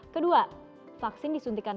kedua vaksin disuntikan